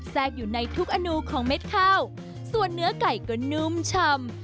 แทรกอยู่ในทุกอนูของเม็ดข้าวส่วนเนื้อไก่ก็นุ่มชำ